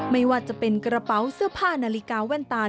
ไม่ว่าจะเป็นกระเป๋าเสื้อผ้านาฬิกาแว่นตาล